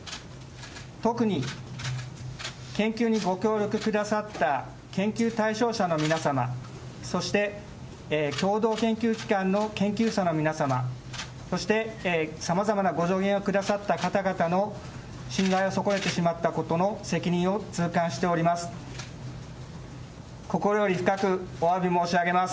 特に、研究にご協力くださった研究対象者の皆様、そして共同研究機関の研究者の皆様、そして、さまざまなご助言をくださった方々の信頼を損ねてしまったことの責任を痛感しております。